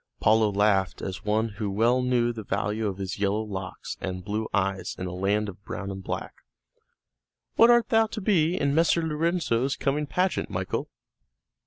Paolo laughed as one who well knew the value of his yellow locks and blue eyes in a land of brown and black. "What art thou to be in Messer Lorenzo's coming pageant, Michael?"